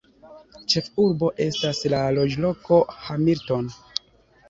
Ĉefurbo estas la loĝloko Hamilton.